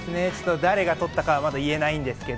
誰が取ったかはまだ言えないんですけど。